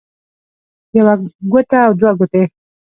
يوه ګوته او دوه ګوتې